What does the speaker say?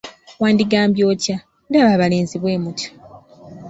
Wandigambye otya? Ndaba abalenzi bwe mutyo!